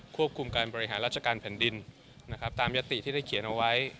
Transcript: ควบคุมการบริหารราชการแผ่นดินนะครับตามยติที่ได้เขียนเอาไว้